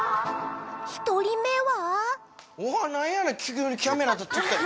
１人目は。